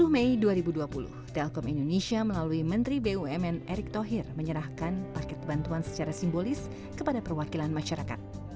dua puluh mei dua ribu dua puluh telkom indonesia melalui menteri bumn erick thohir menyerahkan paket bantuan secara simbolis kepada perwakilan masyarakat